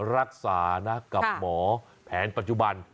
รักษานะกับหมอแผนปัจจุบัน